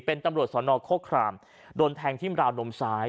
เป็นตำรวจสอนอโคครามโดนแทงที่ราวนมซ้าย